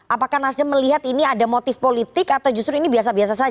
apakah nasdem melihat ini ada motif politik atau justru ini biasa biasa saja